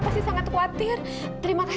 udah gak ada lagi